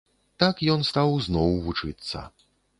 Так ён стаў зноў вучыцца.